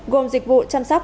gồm dịch vụ chăm sóc